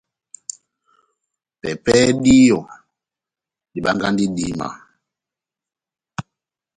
Pɛpɛhɛ díyɔ, dibangahi idíma.